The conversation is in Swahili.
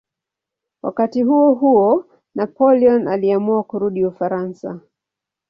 Wakati huohuo Napoleon aliamua kurudi Ufaransa.